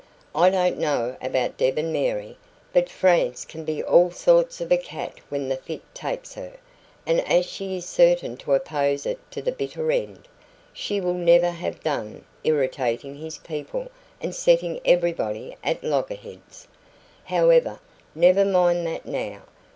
I don't know about Deb and Mary, but France can be all sorts of a cat when the fit takes her; and as she is certain to oppose it to the bitter end, she will never have done irritating his people and setting everybody at loggerheads. However, never mind that now."